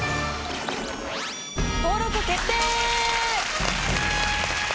登録決定！